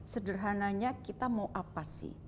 sederhananya kita mau apa sih